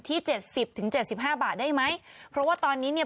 ที่เจ็ดสิบถึงเจ็ดสิบห้าบาทได้ไหมเพราะว่าตอนนี้เนี่ย